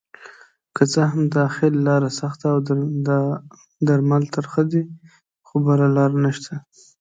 که څه هم داحل لاره سخته اودا درمل ترخه دي خو بله لاره نشته